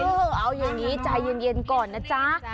เอาอย่างนี้ใจเย็นก่อนนะจ๊ะ